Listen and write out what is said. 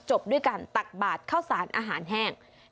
จบด้วยการตักบาดข้าวสารอาหารแห้ง